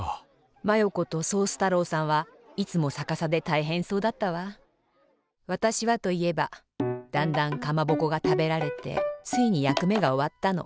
マヨ子とソース太郎さんはいつもさかさでたいへんそうだったわ。わたしはといえばだんだんかまぼこがたべられてついにやくめがおわったの。